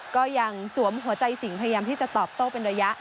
ก็ยังสวมหัวใจสิ่งพยายามที่จะตอบโต้เป็นระยะ